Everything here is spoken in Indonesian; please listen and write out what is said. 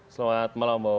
selamat malam bapak